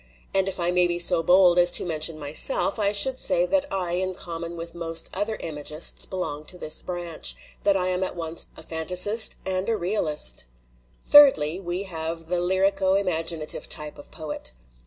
And if I may be so bold as to mention myself, I should say that I in com mon with most other imagists belong to this branch, that I am at once a fantasist and a realist. "Thirdly, we have the lyrico imaginative type of poet.